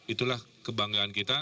itulah kebanggaan kita